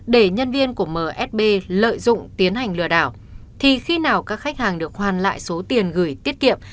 để nhân viên của msb lợi dụng tiến hành lừa đảo thì khi nào các khách hàng được hoàn lại số tiền gửi tiết kiệm